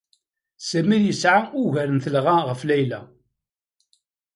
Sami yesɛa ugar n telɣa ɣef Layla.